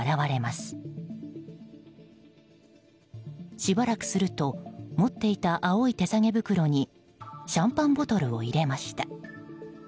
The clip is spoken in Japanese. しばらくすると持っていた青い手提げ袋にシャンパンボトルを入れました。